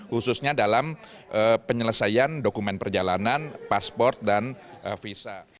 khususnya dalam penyelesaian dokumen perjalanan pasport dan visa